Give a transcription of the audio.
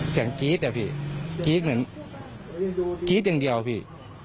กรี๊ดอะพี่กรี๊ดเหมือนกรี๊ดอย่างเดียวพี่